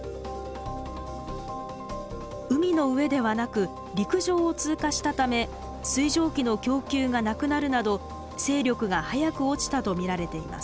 海の上ではなく陸上を通過したため水蒸気の供給がなくなるなど勢力が早く落ちたと見られています。